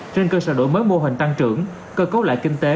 trên cơ sở đổi mới mô hình tăng trưởng cơ cấu lại kinh tế